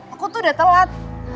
aku tuh udah telat